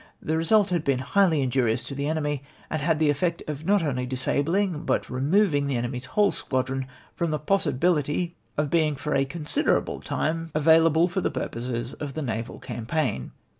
The result had been highly injurious to the enemy, and had the effect of not only disabling but of re moving the enemy's whole squadron from the possibility of being for a considerable time available for the purposes of the naval campaign.